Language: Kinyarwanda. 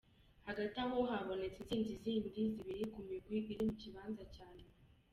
Hagati aho, habonetse intsinzi zindi zibiri ku migwi iri mu kibanza ca nyuma.